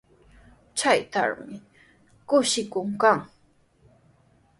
Chaytrawmi kushikuy kan.